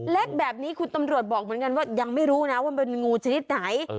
เล็กแบบนี้คุณตำรวจบอกเหมือนกันว่ายังไม่รู้นะว่ามันเป็นงูชนิดไหน